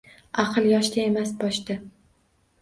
Aql yoshda emas boshda